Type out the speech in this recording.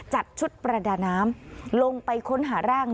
จัดชุดประดาน้ำลงไปค้นหาร่าง